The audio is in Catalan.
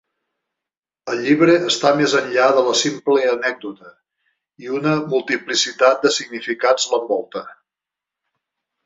El llibre està més enllà de la simple anècdota, i una multiplicitat de significats l'envolta.